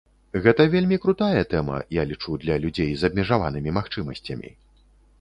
Гэта вельмі крутая тэма, я лічу, для людзей з абмежаванымі магчымасцямі.